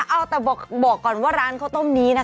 เอาแต่บอกก่อนว่าร้านข้าวต้มนี้นะคะ